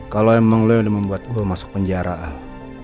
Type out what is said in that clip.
kalau emang lo yang udah membuat gue masuk penjara al